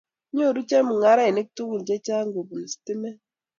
Nyoru chemungarainik tuguk chechang' kobun stimet